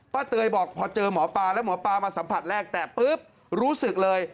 เตยบอกพอเจอหมอปลาแล้วหมอปลามาสัมผัสแรกแต่ปุ๊บรู้สึกเลย